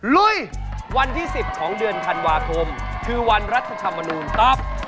ลุยวันที่๑๐ของเดือนธันวาคมคือวันรัฐธรรมนูลตอบ